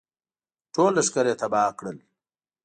ټول لښکر یې تباه کړل.